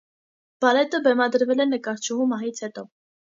Բալետը բեմադրվել է նկարչուհու մահից հետո։